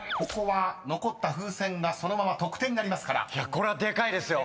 これはでかいですよ。